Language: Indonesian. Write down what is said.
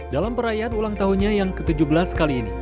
dalam perayaan ulang tahunnya yang ke tujuh belas kali ini